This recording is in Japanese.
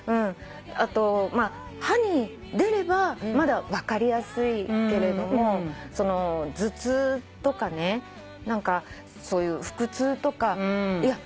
あとまあ歯に出ればまだ分かりやすいけれども頭痛とかねそういう腹痛とか。